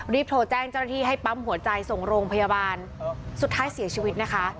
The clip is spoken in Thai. รีบโทรแจ้งจรภีให้ปั๊มหัวใจส่งโรงพยาบาลสุดท้ายเสียชีวิตนะคะ